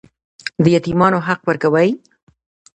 د یتیمانو حق ورکوئ؟